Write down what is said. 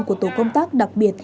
của tổ công tác đặc biệt